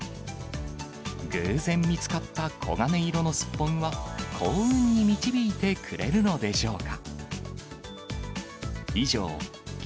偶然見つかった黄金色のスッポンは、幸運に導いてくれるのでしょうか。